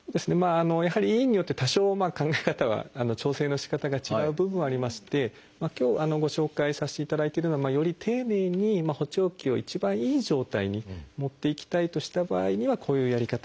やはり医院によって多少考え方が調整のしかたが違う部分はありまして今日ご紹介させていただいてるのはより丁寧に補聴器を一番いい状態に持っていきたいとした場合にはこういうやり方が。